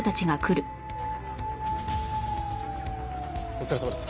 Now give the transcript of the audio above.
お疲れさまです。